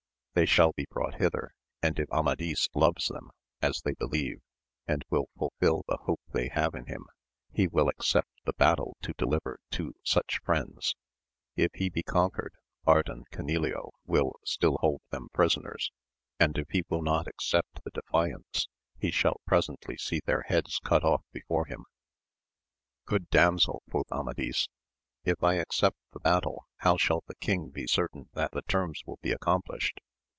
They shall be brought hither, and if Amadis loves them as they believe, and will fulfil the hope they have in him, he will accept the battle to deliver two such friends ; if he be conquered, Ardan Canileo will still hold them prisoners, and if he will not accept the defiance he shall presently see their heads cut ofif before him, Grood damsel, quoth Amadis, If I accept the battle, how shall the king be certain that the terms wiU be accomplished?